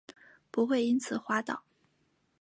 不会因此滑倒